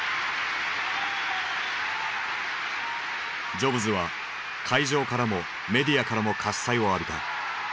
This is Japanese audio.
ジョブズは会場からもメディアからも喝采を浴びた。